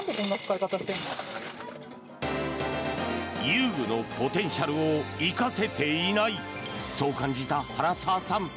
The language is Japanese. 遊具のポテンシャルを生かせていないそう感じた原澤さん。